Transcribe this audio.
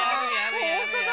ほんとだ。